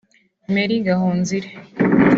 Mary Gahonzire